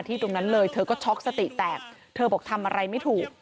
ตรงนั้นเลยเธอก็ช็อกสติแตกเธอบอกทำอะไรไม่ถูก